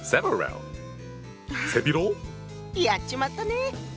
やっちまったね！